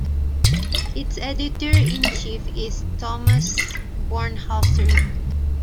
Its editor-in-chief is Thomas Bornhauser.